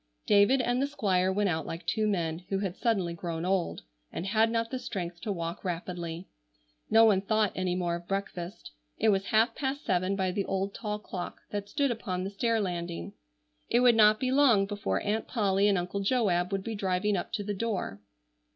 David and the Squire went out like two men who had suddenly grown old, and had not the strength to walk rapidly. No one thought any more of breakfast. It was half past seven by the old tall clock that stood upon the stair landing. It would not be long before Aunt Polly and Uncle Joab would be driving up to the door.